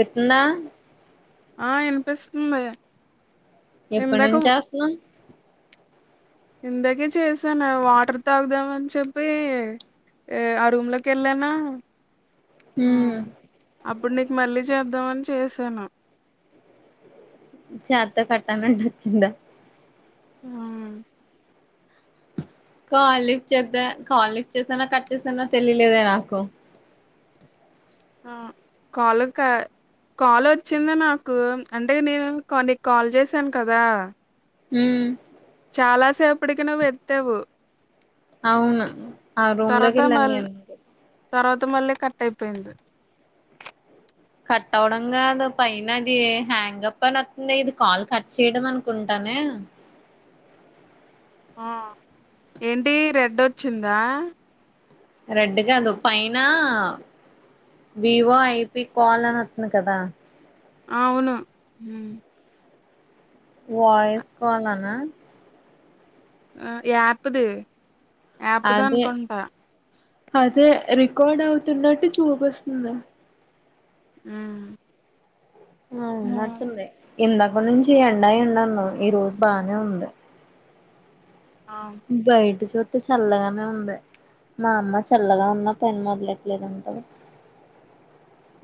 విత్న ఆ విన్పిస్తుంది ఇప్పట్నుంచి చేస్తున్నవ్ ఇంద కే చేసాను వాటర్ తాగుదామ అని చెప్పి ఆ రూమ్ లోకి వెళ్ళానా హా హ్మ్ అబ్ ఇప్పుడు నీక్ మళ్ళీ చేద్దామని చేసాను చేత్త కట్టనండి వచ్చిందా హోమ్ కాలిఫ్ చేద్దా కాలిఫ్ చేసాన కట్ చేసాన తెలియలేదే నాకు అ కాల్ కా కాల్ వచ్చింది నాకు అంటే నేను కొ నీకు కాల్ చేశాను కదా హ్మ్మ్ చాలాసేపటికి నువ్వు ఎత్తావు అవును ఆ రూమ్ లోకి వెళ్ళాను నేన్ మొత్తం మళ్ళె కట్ అయిపోయింది కట్ అవ్వడం కాదు పైన అది హ్యాంగ్ప్ప అని వస్తుంది ఇది కాల్ కట్ చేయడం అనుకుంటానే ఆ ఏంటి రెడ్ వచ్చింద రెడ్ కాదు పైన వివో ఐపీ కాల్ అని వత్తుంది కదా అవును హుమ్ వాయిస్ కాల్లోనా అ యాప్ ద్ యాప్ అదే దనుకుంట అదే రికార్డ్ అవుతున్నట్టు చూపిస్తుంది ఉమ్ మయ్ ఊన్నట్టుంది ఇందాక నుంచి ఎండా ఏంది అన్నావ్ ఈ రోజు బానే ఉంది బయట సో సై చల్లగానే ఉంది మా అమ్మ చల్లగా ఉన్న పెని మొదలట్లేదుంటారు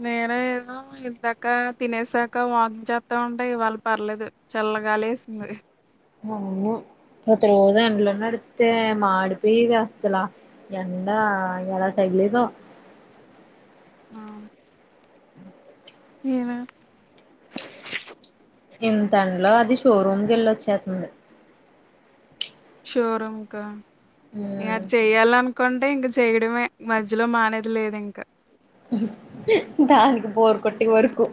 నేను ఏదో ఇందక తినేసాక వాకింగ్ చేేస్తా ఉంటే ఇవాళ పర్లేదు చల్లగాలి ఏస్తుంది మ అవును ప్రతి రోజు ఎండలో నడితే మాడిపోయిది అసలా ఎండా ఎలా తగేలెదో ఆహ్ ఏ వె ఇంత ఎండ్లో అది షోరూం కి వెళ్లొచ్చేస్తుంది షోరూంకా మ్మ్ ఏట్ చేయాలి అనుకో కొంటే ఇంక చేయడమే మధ్యలో మానేది లేదు ఇంకా దానికిబొరు కొట్టటే వరుకు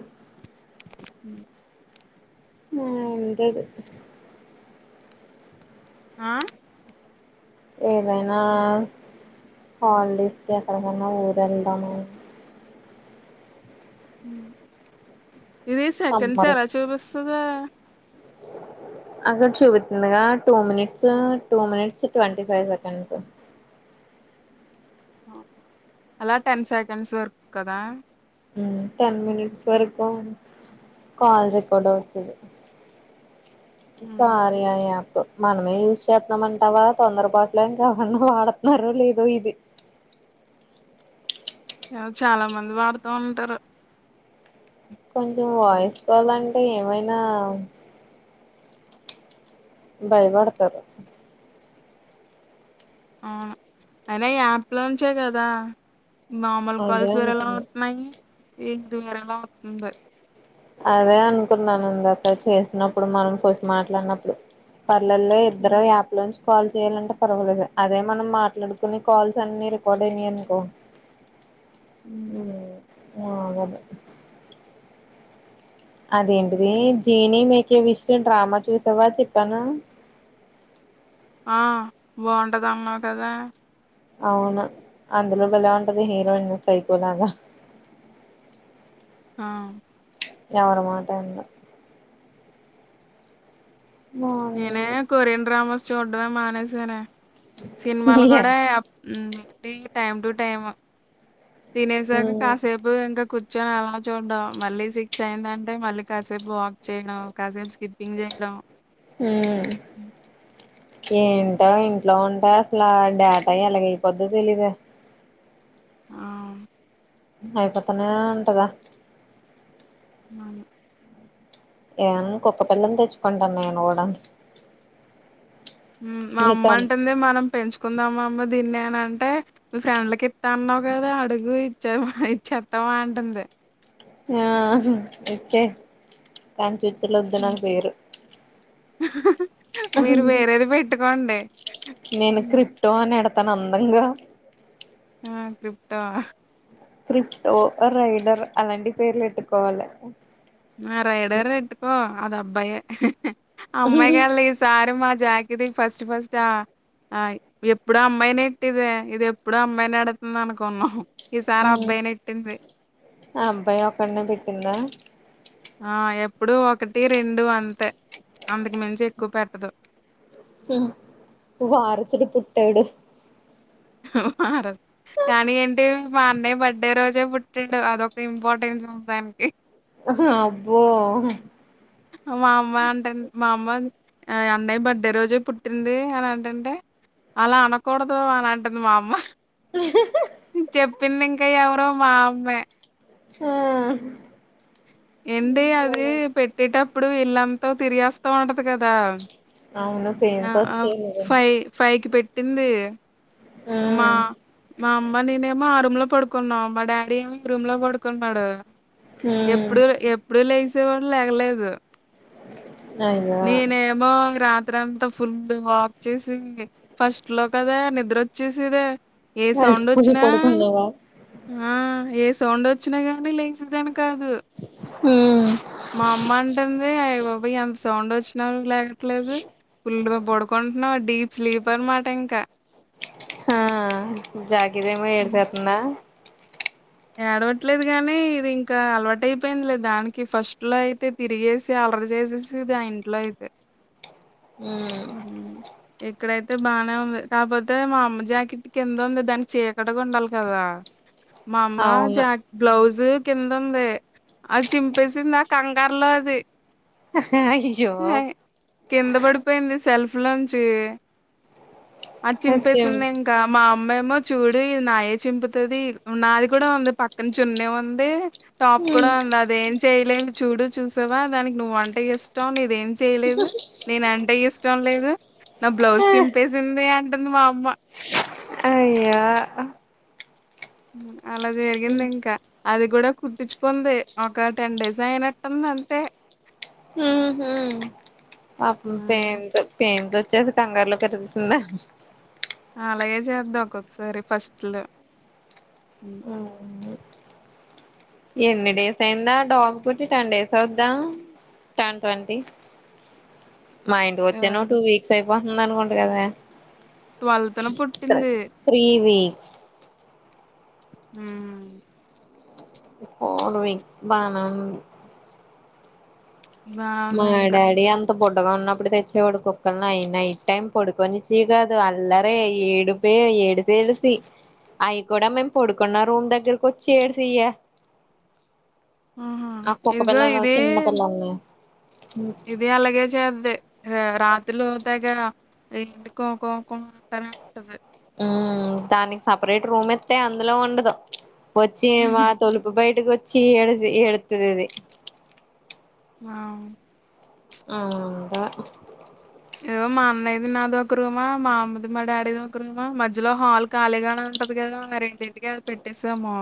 ఆ అంతేది ఆ ఏదైనా హాలిడేస్కి ఎక్కడికన్నా ఊరు వెళ్దామే హు ఇది సెకండ్స్ సమ్మర్ ఎలా చూపిస్తుదే అక్కడ చూపుతుందిగా two minutes two minutes twenty five seconds అలా టెన్ సెకండ్స్ వరకు కదా హు టెన్ మనిట్స్ వరకు కాల్ రికార్డ్ అవుతది ఈ కార్య అప్ మనమే యూజ్ చేస్తున్నామ అంటావా తొందరపాటులో ఇంకా ఎవన్నా వాడుతున్నారో లేదు ఇది చాలా మంది వాడుతా ఉంటారు కొంచెం హ్మ్. వాయిస్ కాల్ అం ఏమైనా భయపడతారు ఔను అయినా ఈ యాప్ లోంచే కదా నార్మల్ అదే కాల్స్ వేరలా అనుకున్నా వతున్నాయి ఇది వేరలా వంతుంది అదే అనుకున్నాను ఇందాక చేసినప్పుడు మనం ఫస్ట్ మాట్లాడినప్పుడు పర్లల్లో ఇద్దరు హ్మ్. యాప్ లో నుంచి కాల్ చేయాలంటే పర్వాలేదు అదే మనం మాట్లాడుకుని కాల్స్ అన్ని రికార్డ్ అయనాయినుకో హ్మ్. ఉహూ ఆ గాదే అదేంటిది జీని మేకే విషయం డ్రామా చూసావా చెప్పాను ఆ బాగుంటద అన్నావు కదా అవును అందులో భలే ఉంటది హీరోయిన్ సైకోలాగా ఆ ఎవరి మాట వినదు నేనే బాగుంది కొరియన్ డ్రామాస్ చూడుమే మనేసానే సినిమాలు కూడా ఏప్ ఏంటి టైమ్ టు టైమ్ తినేసాక ఉమ్ కాసేపు ఇంకా కు కూర్చొని ఎలా చూడడం మళ్ళీ సిక్స్ అయిందంటే మళ్ళీ కాసేపు వాక్ చేయడం కాసేపు స్కిప్పింగ్ చేయడం హు ఏంటో ఇంట్లో ఉంటే అలా డాటా ఎలాగే అయిపోదే తెలియదే ఆ. అయిపోతనే ఉంటదా నాను ఏముంది కుక్క పిల్లని తెచ్చుకుంటాను నేను గూడా మా అమ్మ అంటుంది మనం పెంచు కుందాం అమ్మ దీన్ని నేను అంటే మీ ఫ్రెండ్లకి ఇత్త అన్నావు గదా అడుగు ఇచ్చారు ఇచ్చతావ అంటుంది ఇచ్చే కాంచుచు ఇల్లు వద్దు హ్మ్. నాకు వేరు మీరు వేరేది పెట్టుకోండి ఉ తను అందంగా ఆ.... క్రిప్టో క్రిప్టో రైడర్ అలాంటి పేర్లు ఏట్టుకోవాలి నా రైడర్ రెటు కో అది అబ్బాయే అమ్మాయి గాలే ఈ సారు మత్ జాకిది ఫస్ట్ ఫస్ట్ ఆ అయి ఎప్పుడు అమ్మాయిని ఇట్టిదే ఇది ఎప్పుడు అమ్మాయిని ఎడుతుంది అనుకున్నాం ఈసారి ఉ అబ్బాయి నెట్టింది ఆ అబ్బాయి ఒక్కడనే పెట్టిందా ఆ ఎప్పుడు ఒకటి రెండు అంతే అంతకు మించి ఎక్కువ పెట్టదు ఉ వారసుడు పుట్టాడు వారసుడు కానీ ఏంటి మా అన్నయ్య బర్త్డే రోజే పుట్టిండు అదొక ఇంపార్టెన్స్ ఉంది దానికి అహు అబ్బో మా అమ్మ అంటేండి మా అమ్మన్ అన్నయ్య బర్డే రోజే పుట్టింది అని అంటంటే అలా అనకూడదు అని అంటుంది మా అమ్మ [unintelligible] పిన్ని ఇంకా ఎవరో మా అమ్మే ఆహు ఎండి అది పెట్టేటప్ ఇప్పుడు ఇల్లంతా తిరిగేస్తా ఉంటది గదా అవును పెయిన్స్ వచ్చేది ఇదే తింది మా మా అంబనీనేమో ఆరుక్ రూమ్ లో పడుకున్నాం మా డాడీ ఏమి రూమ్ లో పడుకుంటున్నాడు ఉమ్ ఎప్పుడు ఎప్పుడు లేస్ ఎవడు లేగలేదు [unintelligible] నీనేమో రాత్ రాత్రంతా ఫుల్ వాక్ చేసి ఫస్ట్ లో కదా నిద్ర వచ్చేసిదే ఏ సౌండ్ అలిసిపోయి వచ్చినా పడుకున్నావా ఆ ఏ సౌండ్ వచ్చినా గానీ లేచే తను కాదు మ్మ్ మా అమ్మ అంటంది అయ్ బాబు ఏం సౌండ్ వచ్చిన కూడా [inaudible] ట్లేదే ఫుల్ [unintelligible] పడుకుంటున్నావు డీప్ స్లీప్ అనమాట ఇంకా ఆ జాకీర్ ఏమో హ్మ్. ఏడ్సెత్తుందా ఏడవట్లేదు గానీ ఇది ఇంకా అలవాటయిపోయిందిలే, దానికి ఫస్ట్లో అయితే తిరిగేసి అల్లరి చేేసేసేది ఆ ఇంట్లో అయితే మ్మ్ హ్మ్. ఇక్కడైతే బానే ఉంది కాకపోతే మా అమ్మ జాకెట్ కింద ఉంది దాని చీకటిగా ఉండాలి కదా మా అమ్మ అవును జాక్ బ్లౌజు కింద ఉంది అది చింపేసింది ఆ కంగారు లో అది అయ్యో ్ కింద పడిపోయింది సెల్ఫ్ పలంచే అది సత్యం చింపేసింది ఇంకా మా అమ్మేమో చూడే ఇది నాయే చింపుతది నాది కూడా ఉంది పక్కన చున్నే ఉంది టాప్ కూడా ఉంది అదేం చేయ ు చూడు చూసావా దానికి నువ్వంటే ఇష్టం నీ ది ఏం చేయలేదు నేను అంటే ఇష్టం లేదు నా బ్లౌజ్ చింపేసింది అ ని మా అమ్మ అయ్యా మ్మ్ అలా జరిగింది ఇంక అది కూడా కుట్టించుకోంది ఒక టెన్ డేస్ అయినట్టుంది అంతే పాపం హ్మ్. పేన్స్ పెన్స్ వచ్చేసి కంగారులో కట్టేసిసిందా అలాగే చేద్దాం ఒక్కొక్కసారి ఫస్ట్ లో ఎన్ని డేస్ అయిందా డాగ్ పుట్టి టెన్ డేస్ అవుద్దా, టెన్ ట్వంటీ మా ఇంటికి ఆ! వచ్చాను టూ వీక్స్ అయిపో వంద అనుకుంటి కదే పుట్టింది. త్రీ వీక్ ఉ హు ఫోర్ వీక్స్ బానేవుం మా బావుందింక. డాడీ అం త బుడ్డగా ఉన్నప్పుడు తెచ్చేవాడు కుక్కలిని అయిన నైట్ టైం పడుకొనిచెవి కాదు అల్లరే ఏడుపో ఏడిసి ఏడిసి అవి కూడా మేము పడుకున్న రూమ్ దగ్గరకు వచ్చి ఏడుసెయే ఆహా ఇదిగో ఇది చిన్న పిల్లల్ని ఇది అలాగే చేది రాత్ర తీలో తెగ ఇంటికో కొ కొంటానే ఉంటది ఉ దానికి సపరేట్ రూమ్ ఇత్తే అందులో ఉండదు వచ్చి మా తలుపు బయటకి వచ్చి చి ఎడజి ఎడుతది అది అవు అవును అంటా మా అన్నయది నాది ఒక రూమా మా అమ్మది మా డాడీది ఒక రూమా మధ్యలో హాల్ ఖాళీగానే ఉంటది కదా మరి ఇంటింటికి అది పెట్టేసాము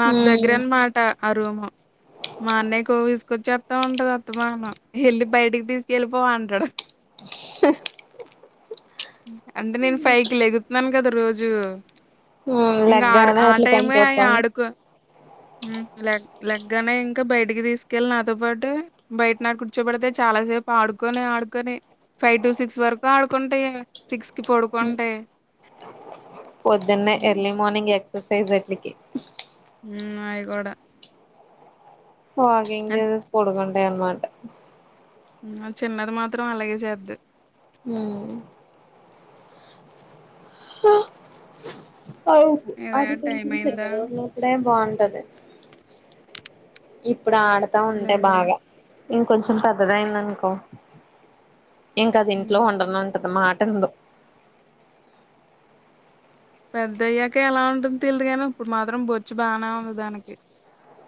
మాకు దగ్గరన్మాట ఆ రూము మా అన్నయ్య కోవిసుకొచ్చి ఉంటది అత్తమానము ఎల్లి బయటకి తీసుకెళ్ళిపో అంటాడు హి అంటే నేన్ ఫైవ్ కి లేగుతున్నాను కదా రోజూ హ్మ్ ఇంక లేగ్గానే ఆట్ల పని చూత్తము ఉ లెగ్ లెగ్గానే ఇంకా బయటికి తీసుకెళ్ళి నాతో పాటే బయటనా ఆడ కూర్చోబడితే చాలాసేపు ఆడుకొని ఆడుకొని ఫై టు సిక్స్ వరకు ఆడుకుంటయే సిక్స్ కి పడుకుంటాయి పొద్దున్నే హ్మ్. ఎర్లీ మార్నింగ్ ఎక్స్ సైజ్ అట్లకి ఉమ్ ఆయిగోడా వాకింగ్ చేసేసి పడుకుని రేమాట ఉ ఆ చిన్నది మాత్రం అలాగే చేద్ది ఉమ్ అవుపు ఇదే ఆది టైం కొంచం అయిందా? సెంటర్లో వదిలేసి బాగుంటది ఇప్ ఇప్పుడు ఆడతా ఉంటే లేదు. బాగా ఇంకొంచెం పెద్దదయ్యిందనుకో ఇంకా అది ఇంట్లో హ్మ్. ఉండను అంటది మాట టీందు పెద్దయ్యాక ఎలా ఉంటుంది తెలిదుగాని ఇప్పుడు మాత్రం బొచ్చు బాగానే ఉంది దానికి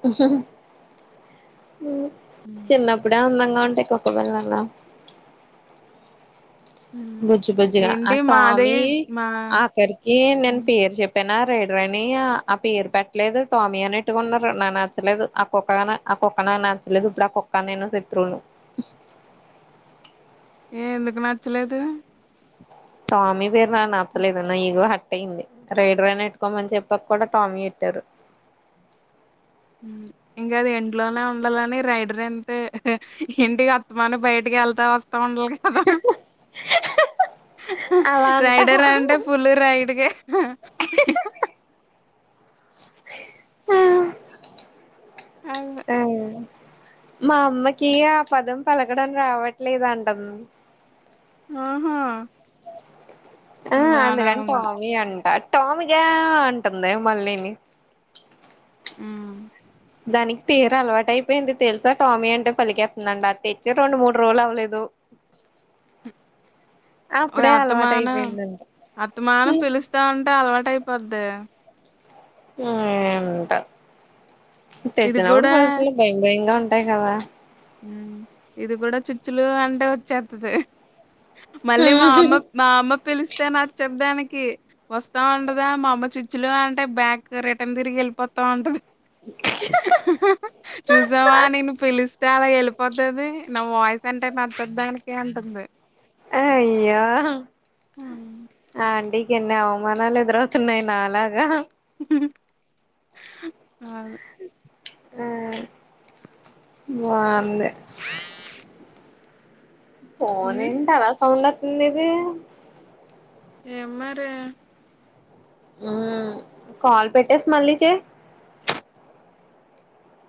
హహహ హ్మ్. చిన్నప్పుడే అందంగా ఒంటికి ఒక వెళ్ళన్నా హ్మ్. బుజ్జి బుజ్జిగా ఆ ఏంటి టామీ మాదయ్యి మా ఆఖరికి నేను హ్మ్. పేరు చెప్పిన రేడ్ వేనీ ఆ పేరు పెట్టలేదు టోమీ అనెట్టుకున్నారు నా నచ్చలేదు ఆ కుక్కగా ఆ కుక్క నాకు నచ్చలేదు ఇప్పుడు ఆ కుక్క నేను శత్రువును ఏ ఎందుకు నచ్చలేదు టామీ పేరు నాకు నచ్చలేదు నా ఈగో హట్ అయింది రైడరని ఎట్టుకోమని చెప్పక కూడా టామీ పెట్టారు ఇంకా అది ఇంట్లోనే ఉండాలని రైడర్ అంతే ఇంటికి అత్తమన బయటకి వెళ్తా వస్తా త్త ఉండాల కదా అలా రైడర్ అంటావా అంటే పులు రైడ్గా ఆ అ ఆ అదే. అయ మా అమ్మకి ఆ పదం పలకడం రావట్లేదు అంటది ఆహా ఆ అంత బానే ఉంది. కంటంటమయంటా టామిగా అంటుంది మళ్ళీని హ్మ్. దానికి పేరు అలవాటు అయిపోయింది తెలుసా టామీ అంటే పలికెతుందండి అది తెచ్చి రెండు మూడు రోజులు అవ్వలేదు ఓయ్ అప్పుడే అలవాటు అత్తమాను అయిపోయిందంట అత్తమానం పిలుస్తా ఉంటే అలవాటై పోద్ది ఎంటో ఇది తెచ్చినప్పుడు కూడా ఫస్టలో భయం భయంగా ఉం కదా ఉ ఇది కూడా చుచ్చులు అంటే వచ్చేతది మళ్ళీ మా అమ్మ మా అమ్మ పిలిస్తే వస్తే న చెప్ దానికి వస్తా ఉంటదా మా అమ్మ చిచ్చులు అంటే బ్యాక్ రిటర్న్ తిరిగి వెళ్ళిపోతా ఉంటది చూసావా నేను పిలిస్ అలాగ వెళ్ళిపోతుది నా వాయిస్ అంటే నచ్చదు దానికి అంటుంది అయ్యో హ్మ్. ఆ అండి ఎన్ని అవమానాలు ఎదురవుతున్నాయి నాలాగా ఆగు ఆ బావుంది ఫోన్ హ్మ్. ఏంటి అలా సౌండ్ ఉన్నేది ఏంమరే ఉ కాల్ పెట్టేసి మళ్ళీ చేయి